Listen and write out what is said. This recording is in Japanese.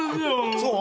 そう？